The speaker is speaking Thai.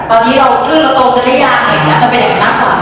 ตอนที่เราขึ้นแล้วก็ทรงกันได้อย่างเองแล้วมันเป็นแบบมากขวะ